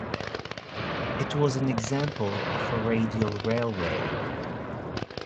It was an example of a radial railway.